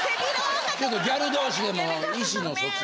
ちょっとギャル同士でも意思の疎通。